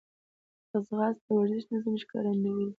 ځغاسته د ورزشي نظم ښکارندوی ده